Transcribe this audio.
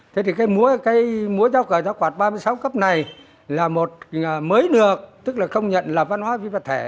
thế thì cái múa giáo cờ giáo quạt ba mươi sáu cấp này là một mới lược tức là không nhận là văn hóa viên vật thể